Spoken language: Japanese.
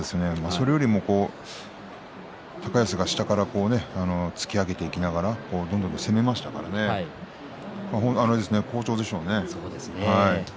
それよりも高安が下から突き上げていきながらどんどん攻めましたから好調でしょうね。